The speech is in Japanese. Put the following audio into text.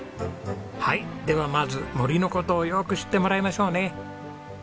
はいではまず森の事をよく知ってもらいましょうね。